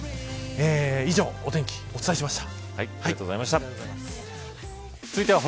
以上、お天気お伝えしました。